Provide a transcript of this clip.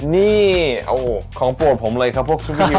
นี่ของปวดผมเลยครับพวก